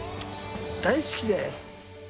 大好きだよ。